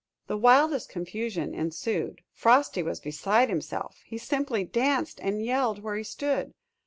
The wildest confusion ensued. Frosty was beside himself. He simply danced and yelled where he stood.